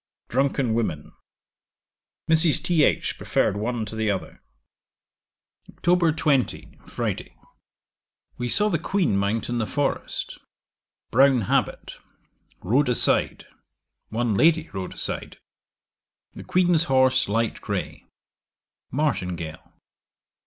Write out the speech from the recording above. Drunken women. Mrs. Th. preferred one to the other. 'Oct. 20. Friday. We saw the Queen mount in the forest Brown habit; rode aside: one lady rode aside. The Queen's horse light grey; martingale.